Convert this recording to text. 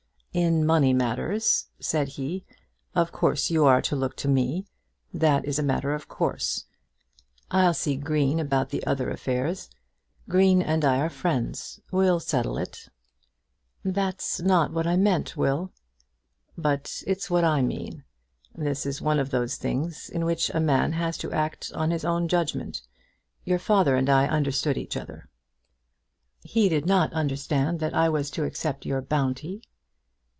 "In money matters," said he, "of course you are to look to me. That is a matter of course. I'll see Green about the other affairs. Green and I are friends. We'll settle it." "That's not what I meant, Will." "But it's what I mean. This is one of those things in which a man has to act on his own judgment. Your father and I understood each other." "He did not understand that I was to accept your bounty."